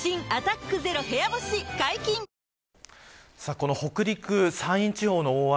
この北陸、山陰地方の大雨